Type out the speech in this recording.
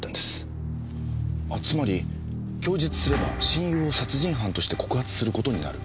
あつまり供述すれば親友を殺人犯として告発する事になる。